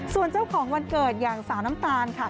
ส่วนเจ้าของวันเกิดอย่างสาวน้ำตาลค่ะ